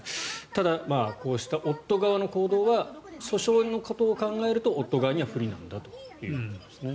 ただ、こうした夫側の行動は訴訟のことを考えると夫側には不利なんだということですね。